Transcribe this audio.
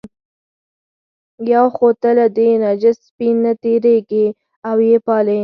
یو خو ته له دې نجس سپي نه تېرېږې او یې پالې.